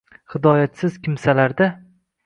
Hidoyatsiz kimsalarda